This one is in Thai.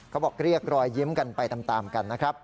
เขาบอกเรียกรอยยิ้มกันไปตามกันนะครับ